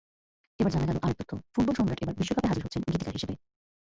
এবার জানা গেল আরেক তথ্য—ফুটবলসম্রাট এবার বিশ্বকাপে হাজির হচ্ছেন গীতিকার হিসেবে।